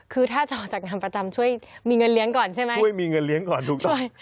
คือถ้าจะออกจากงานประจำช่วยมีเงินเลี้ยงก่อนใช่ไหม